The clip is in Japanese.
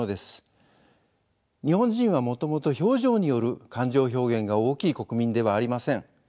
日本人はもともと表情による感情表現が大きい国民ではありません。